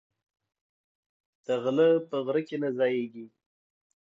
دغله په غره کی نه ځاييږي